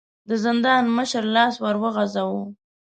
د زندان مشر لاس ور وغځاوه.